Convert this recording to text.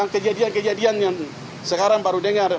kejadian kejadian yang sekarang baru dengar